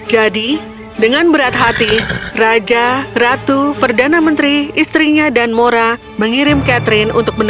jadi dengan berat hati raja ratu perdana menteri istrinya dan mora mengirim catherine untuk ke rawa